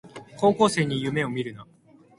高校生に夢をみるな